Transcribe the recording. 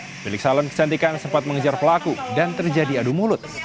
pemilik salon kecantikan sempat mengejar pelaku dan terjadi adu mulut